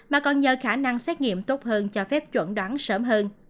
mà còn nhờ khả năng xét nghiệm tốt hơn cho phép chuẩn đoán sớm hơn